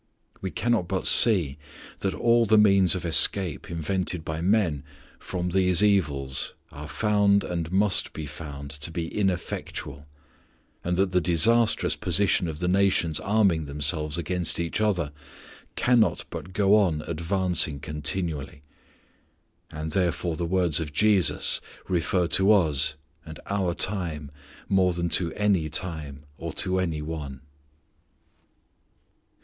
We cannot but see that all the means of escape invented by men from these evils are found and must be found to be ineffectual, and that the disastrous position of the nations arming themselves against each other cannot but go on advancing continually. And therefore the words of Jesus refer to us and our time more than to any time or to any one.